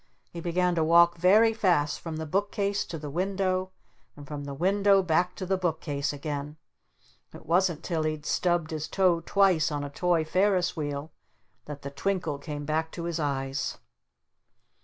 He began to walk very fast from the book case to the window and from the window back to the book case again. It wasn't till he'd stubbed his toe twice on a toy Ferris Wheel that the twinkle came back to his eyes.